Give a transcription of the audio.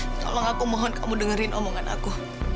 tolong aku mohon kamu dengerin omongan aku